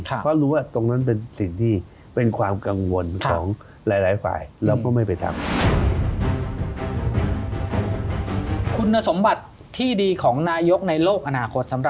เพราะรู้ว่าตรงนั้นเป็นสิ่งที่เป็นความกังวลของหลายฝ่ายเราก็ไม่ไปทำ